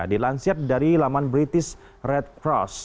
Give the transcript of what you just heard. dilansir dari laman british red cross